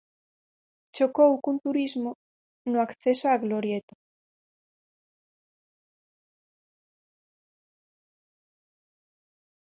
Chocou cun turismo no acceso á glorieta.